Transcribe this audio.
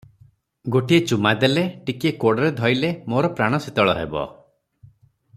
ଗୋଟିଏ ଚୁମା ଦେଲେ, ଟିକିଏ କୋଡ଼ରେ ଧଇଲେ ମୋର ପ୍ରାଣ ଶୀତଳ ହେବ ।"